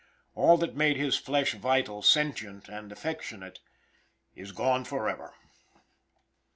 All that made this flesh vital, sentient, and affectionate is gone forever.